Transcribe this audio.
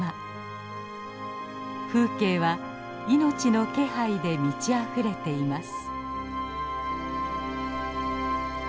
風景は命の気配で満ちあふれています。